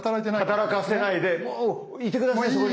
働かせないでもういて下さいそこに。